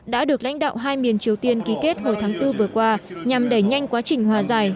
đã được lãnh đạo hai miền triều tiên ký kết hồi tháng bốn vừa qua nhằm đẩy nhanh quá trình hòa giải